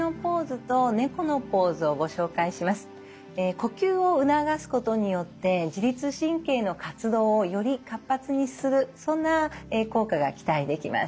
呼吸を促すことによって自律神経の活動をより活発にするそんな効果が期待できます。